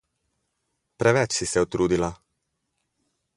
Preveč si se utrudila!